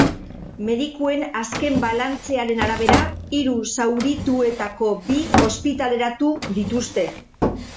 Medikuen azken balantzearen arabera, hiru zaurituetako bi ospitaleratu dituzte.